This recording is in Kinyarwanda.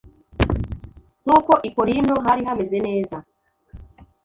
Nk’uko i Korinto hari hameze neza,